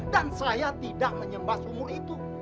dan saya tidak menyembah sumun itu